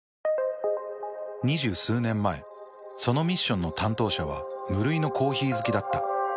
２０数年前そのミッションの担当者は無類のコーヒー好きだった。